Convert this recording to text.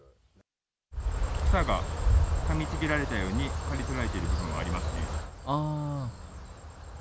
草がかみちぎられたように、刈り取られている部分はありますね。